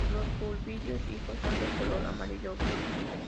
Los bulbillos hijos son de color amarillo o gris.